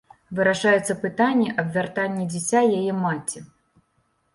Вырашаецца пытанне аб вяртанні дзіця яе маці.